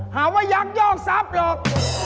หาว่ายักยอกทรัพย์หรอก